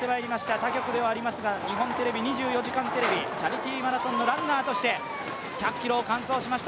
他局ではありますが、日本テレビ「２４時間テレビ」、チャリティーマラソンのランナーとして１００ｋｍを完走しました。